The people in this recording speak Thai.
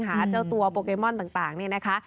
หาเจ้าตัวโปเกมอนต่างนี่นะคะ